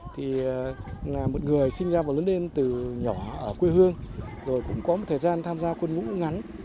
thì là một người sinh ra và lớn lên từ nhỏ ở quê hương rồi cũng có một thời gian tham gia quân ngũ ngắn